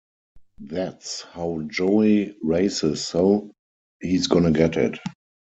That's how Joey races so, he's gonna get it.